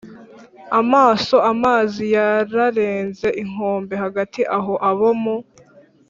amaso amazi yararenze inkombe. hagati aho abo mu